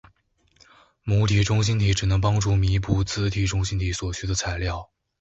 母体中心体只能帮助弥补子体中心体所需的材料。